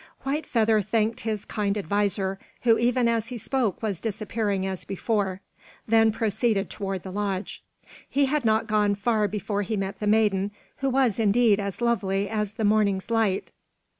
White Feather thanked his kind adviser, who even as he spoke was disappearing as before, then proceeded toward the lodge. He had not gone far before he met the maiden, who was, indeed, as lovely as the morning's light.